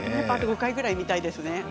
あと５回ぐらい見たいですね